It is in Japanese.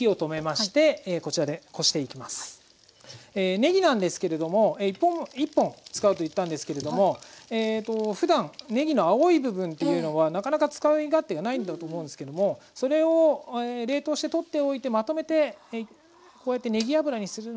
ねぎなんですけれども一本一本使うと言ったんですけれどもふだんねぎの青い部分っていうのはなかなか使い勝手がないんだと思うんですけどもそれを冷凍して取っておいてまとめてこうやってねぎ油にするのもおすすめです。